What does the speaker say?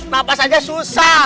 napas aja susah